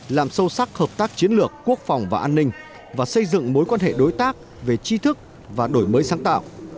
làm sâu sắc hợp tác chiến lược quốc phòng và an ninh và xây dựng mối quan hệ đối tác về chi thức và đổi mới sáng tạo